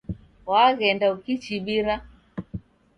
Waghenda ukichibira.